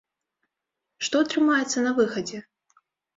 Што атрымаецца на выхадзе?